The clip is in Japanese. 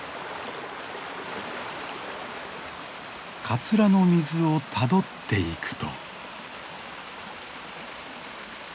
カツラの水をたどっていくと。